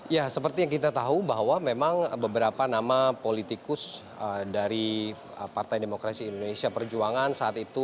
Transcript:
ya seperti yang kita tahu bahwa memang beberapa nama politikus dari partai demokrasi indonesia perjuangan saat itu